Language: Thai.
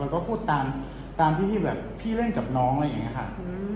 ก็พูดตามที่แบบพี่เล่นกับน้องอะไรอย่างนี้ค่ะ